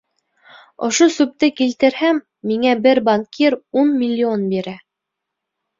Ошо сүпте килтерһәм, миңә бер банкир ун миллион бирә.